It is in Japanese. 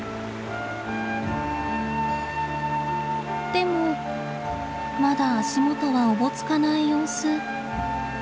でもまだ足元はおぼつかない様子。